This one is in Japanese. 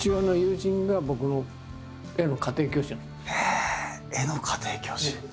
ええ絵の家庭教師？